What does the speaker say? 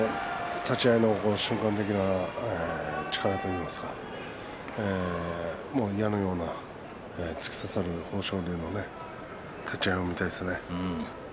立ち合いの瞬間的な力といいますか矢のような突き刺さるような豊昇龍の立ち合いを見たいですね。